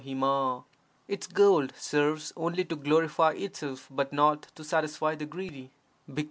HI— Its gold serves only to glorify itself, but not to satisfy the greedy] 30.